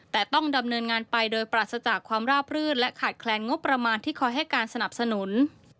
แต่ต้องดำเนินงานไปโดยปราศจากความราบรื่นและขาดแคลนงบประมาณที่คอยให้การสนับสนุน